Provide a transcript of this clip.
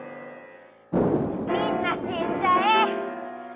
みんな死んじゃえ！